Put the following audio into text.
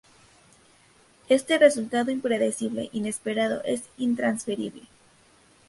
Este resultado impredecible, inesperado es intransferible.